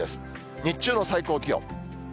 日中の最高気温。